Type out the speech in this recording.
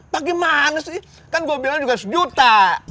pak gimana sih kan gue bilang juga sejuta